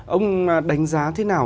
ông đánh giá thế nào